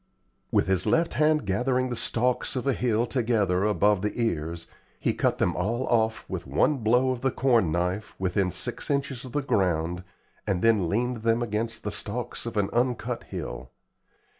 With his left hand gathering the stalks of a hill together above the ears, he cut them all olf with one blow of the corn knife within six inches of the ground, and then leaned them against the stalks of an uncut hill.